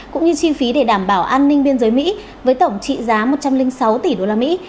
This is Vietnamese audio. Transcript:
cũng như chi phí để đảm bảo an ninh biên giới mỹ với tổng trị giá một trăm linh sáu tỷ đô la mỹ